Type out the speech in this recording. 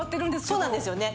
そうなんですよね。